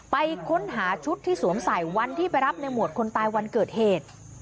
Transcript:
ไปค้นหาชุดที่สวมใส่วันที่ไปรับในหมวดคนตายวันเกิดเหตุ